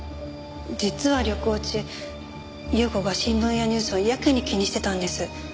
実は旅行中優子が新聞やニュースをやけに気にしてたんです。